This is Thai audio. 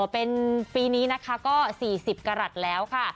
เป็นปีนี้นะคะก็๔๐กรัฐแล้วค่ะ